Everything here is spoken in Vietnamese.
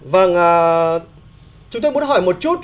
vâng chúng tôi muốn hỏi một chút